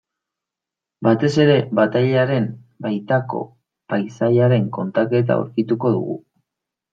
Batez ere batailaren baitako paisaiaren kontaketa aurkituko dugu.